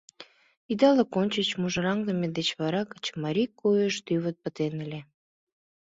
Идалык ончыч мужыраҥме деч вара качымарий койыш тӱвыт пытен ыле.